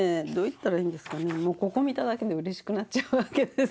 もうここ見ただけでうれしくなっちゃうわけです。